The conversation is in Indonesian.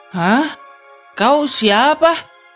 hah kau siapa